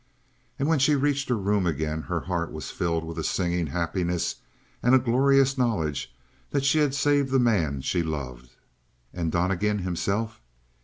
And when she reached her room again her heart was filled with a singing happiness and a glorious knowledge that she had saved the man she loved. And Donnegan himself?